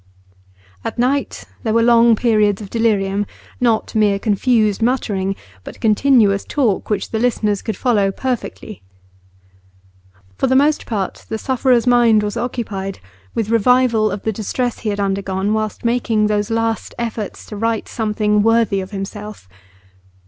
At night there were long periods of delirium; not mere confused muttering, but continuous talk which the listeners could follow perfectly. For the most part the sufferer's mind was occupied with revival of the distress he had undergone whilst making those last efforts to write something worthy of himself.